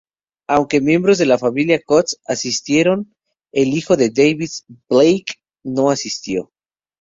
Aunque miembros de la familia Cutts asistieron, el hijo de Davis, Blake, no asistió.